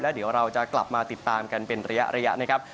เดี๋ยวเราจะกลับมาติดตามกันเป็นระยะนะครับ